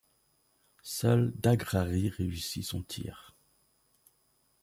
Seul Daghrari réussit son tir.